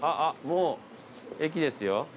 もう駅ですよ。